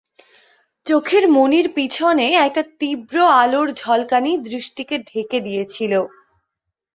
চোখের মণির পিছনে একটা তীব্র আলোর ঝলকানি দৃষ্টিকে ঢেকে দিয়েছিল।